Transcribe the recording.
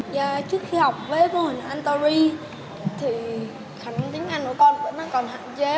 giờ trước khi học với phương hình antari thì khả năng tiếng anh của con vẫn còn hạn chế